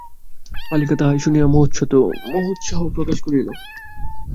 বালিকা তাহাই শুনিয়া মহোৎসাহ প্রকাশ করিতেছিল।